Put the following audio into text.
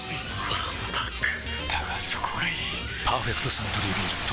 わんぱくだがそこがいい「パーフェクトサントリービール糖質ゼロ」